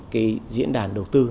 cái diễn đàn đầu tư